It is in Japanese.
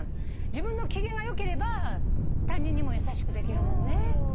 自分の機嫌が良ければ他人にも優しくできるもんね。